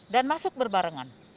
dan masuk berbarengan